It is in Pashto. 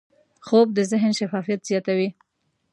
خوب د ذهن شفافیت زیاتوي